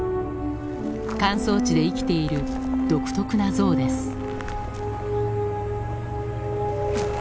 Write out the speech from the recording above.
乾燥地で生きている独特なゾウです。